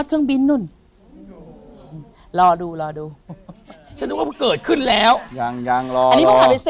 ก็นับไป